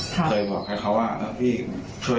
ทนมาตลอดเลย๓ปีเราเข้าออกบ้านเราก็เอามาเข็นรถเขาตลอดเลย